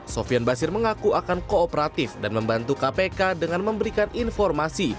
sofian basir mengaku akan kooperatif dan membantu kpk dengan memberikan informasi